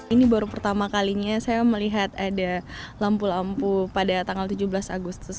ini baru pertama kalinya saya melihat ada lampu lampu pada tanggal tujuh belas agustus